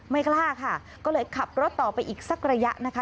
กล้าค่ะก็เลยขับรถต่อไปอีกสักระยะนะคะ